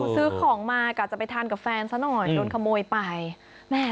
ซื้อของมากะจะไปทานกับแฟนซะหน่อยโดนขโมยไปแม่